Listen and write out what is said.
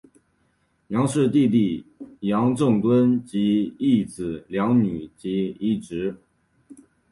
杨氏有弟弟杨圣敦及一子两女及一侄。